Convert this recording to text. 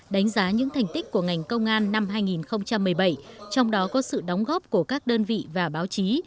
đánh giá những thành tích của ngành công an năm hai nghìn một mươi bảy trong đó có sự đóng góp của các đơn vị và báo chí